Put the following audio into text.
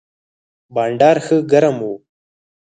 بانډار ښه ګرم و.